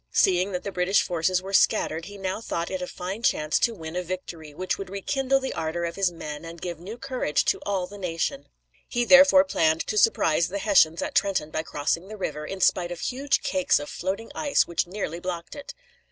Seeing that the British forces were scattered, he now thought it a fine chance to win a victory, which would rekindle the ardor of his men and give new courage to all the nation. [Illustration: Emanuel Leutze, Artist. Washington crossing the Delaware.] He therefore planned to surprise the Hessians at Trenton by crossing the river, in spite of huge cakes of floating ice which nearly blocked it.